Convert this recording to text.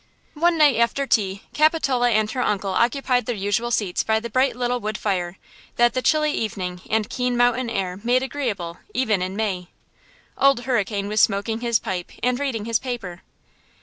One night after tea, Capitola and her uncle occupied their usual seats by the little bright wood fire, that the chilly evening and keen mountain air made agreeable, even in May. Old Hurricane was smoking his pipe and reading his paper.